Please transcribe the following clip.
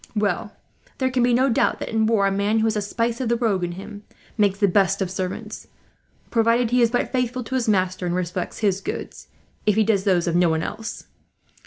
"Well, there can be no doubt that, in war, a man who has a spice of the rogue in him makes the best of servants; provided he is but faithful to his master, and respects his goods, if he does those of no one else.